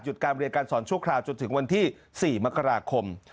การเรียนการสอนชั่วคราวจนถึงวันที่๔มกราคม